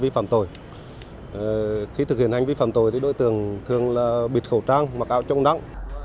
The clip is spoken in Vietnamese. phạm tội thì đối tượng thường là bịt khẩu trang mặc áo trong nặng